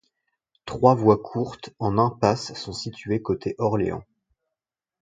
Trois voies courtes en impasse sont situées côté Orléans.